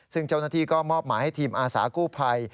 ซึ่งเจ้าหน้าที่ก็มอบหมายให้ทีมอาสากู้ภัย